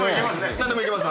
何でもいけます